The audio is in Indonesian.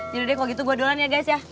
jadi deh kalau gitu gue duluan ya guys ya